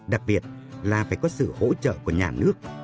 đặc biệt là phải có sự hỗ trợ của nhà nước